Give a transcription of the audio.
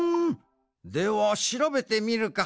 ではしらべてみるか。